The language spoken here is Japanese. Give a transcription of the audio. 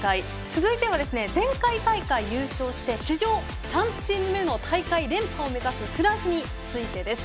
続いては、前回大会を優勝して史上３チーム目の大会連覇を目指すフランスについてです。